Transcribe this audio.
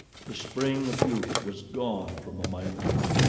The spring of youth was gone from Momaya.